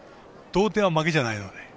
同点は負けじゃないので。